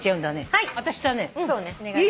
はい。